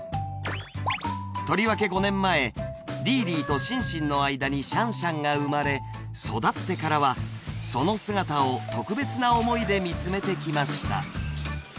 とりわけ５年前リーリーとシンシンの間にシャンシャンが生まれ育ってからはその姿を特別な思いで見つめてきました